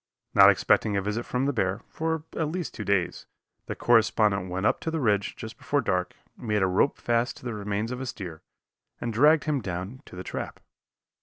Not expecting a visit from the bear, for at least two days, the correspondent went up to the ridge just before dark, made a rope fast to the remains of a steer, and dragged him down to the trap.